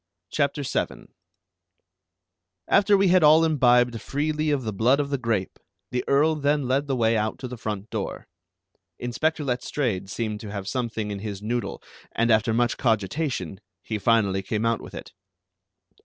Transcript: CHAPTER VII After we had all imbibed freely of the blood of the grape the Earl then led the way out to the front door. Inspector Letstrayed seemed to have something in his noodle, and after much cogitation he finally came out with it.